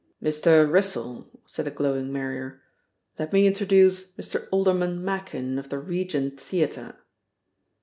"Mr. Wrissell," said the glowing Marrier, "let me introduce Mr. Alderman Machin, of the Regent Theatah."